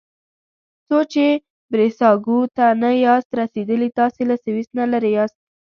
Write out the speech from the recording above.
څو چې بریساګو ته نه یاست رسیدلي تاسي له سویس نه لرې یاست.